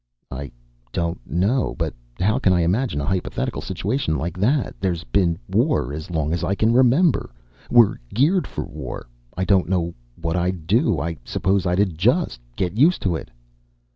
"I don't know. But how can I imagine a hypothetical situation like that? There's been war as long as I can remember. We're geared for war. I don't know what I'd do. I suppose I'd adjust, get used to it."